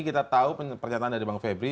kita tahu pernyataan dari bang febri